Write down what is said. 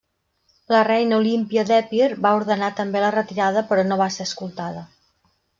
La reina Olímpia d'Epir va ordenar també la retirada però no va ser escoltada.